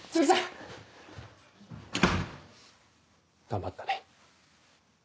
頑張ったね。